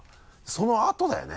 そのあとだよね。